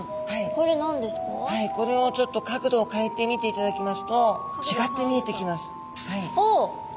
これをちょっと角度を変えて見ていただきますとちがって見えてきます。